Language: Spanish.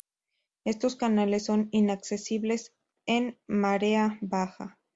Estos canales son inaccesibles en marea baja.